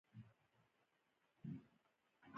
پیاله د زړو یادونو یادګار وي.